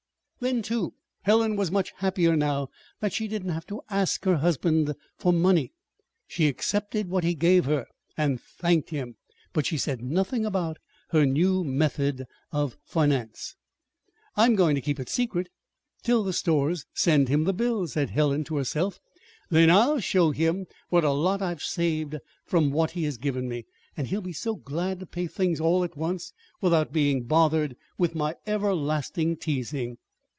Then, too, Helen was much happier now that she did not have to ask her husband for money. She accepted what he gave her, and thanked him; but she said nothing about her new method of finance. "I'm going to keep it secret till the stores send him the bills," said Helen to herself. "Then I'll show him what a lot I've saved from what he has given me, and he'll be so glad to pay things all at once without being bothered with my everlasting teasing!"